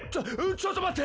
ちょっと待って。